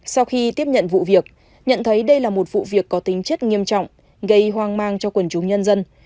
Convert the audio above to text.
sau khi tiếp nhận vụ việc nhận thấy đây là một vụ việc có tính chất nghiêm trọng gây hoang mang cho quần chúng nhân dân